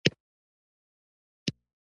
کانديد اکاډميسن عطايي د پښتو ادب ستوری بلل کېږي.